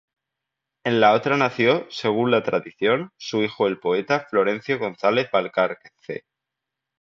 En la otra nació, según la tradición, su hijo el poeta Florencio González Balcarce.